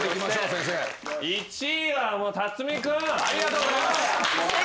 ありがとうございます！